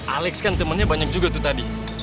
alex kan temennya banyak juga tuh tadi